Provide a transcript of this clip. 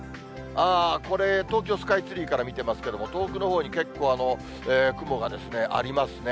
これ、東京スカイツリーから見てますけれども、遠くの方に結構雲がありますね。